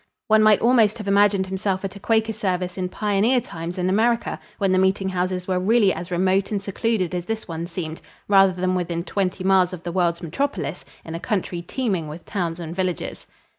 One might almost have imagined himself at a Quaker service in pioneer times in America, when the meeting houses were really as remote and secluded as this one seemed, rather than within twenty miles of the world's metropolis, in a country teeming with towns and villages.